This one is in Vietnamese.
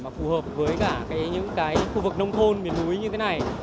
mà phù hợp với cả những cái khu vực nông thôn miền núi như thế này